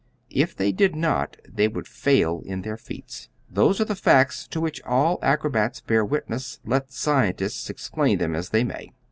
If they did not they would fail in their feats. Those are the facts to which all acrobats bear witness, let scientists explain them as they may.